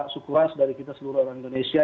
suku ras dari kita seluruh orang indonesia